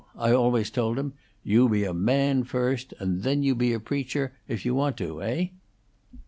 I always told him, You be a man first, and then you be a preacher, if you want to. Heigh?"